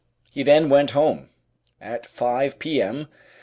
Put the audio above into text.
He then went home. At 5 p.m.